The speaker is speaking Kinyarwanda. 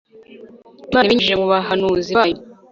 imana ibinyujije mu bahanuzi bayo